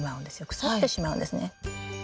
腐ってしまうんですね。